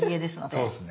そうですね。